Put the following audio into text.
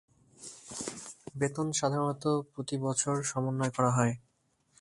বেতন সাধারণত প্রতি বছর সমন্বয় করা হয়।